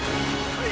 はい。